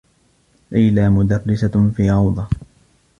ليلى مدرّسة في روضة.